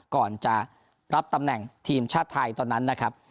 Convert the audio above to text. ก่อนจะรับตำแหน่งทีมชาติไทยตอนนั้นนะครับ